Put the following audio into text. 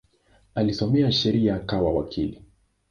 Alisoma sheria akawa wakili.